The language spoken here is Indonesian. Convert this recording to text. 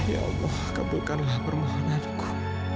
ya allah kabulkanlah permohonanku